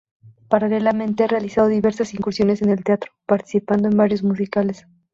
Paralelamente ha realizado diversas incursiones en el teatro, participando en varios musicales.